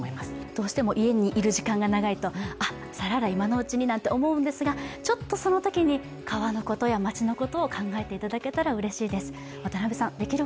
どうしても家にいる時間が長いと皿洗い今のうちになんて思うんですが、ちょっとそのときに川のことや街のことを考えていただけたらありがたいです。